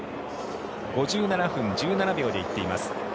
５７分１７秒で行っています。